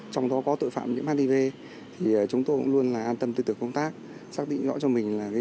trong đó có tội phạm những madv